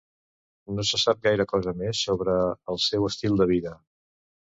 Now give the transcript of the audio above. No se sap gaire cosa més sobre el seu estil de vida.